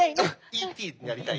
Ｅ．Ｔ．になりたい。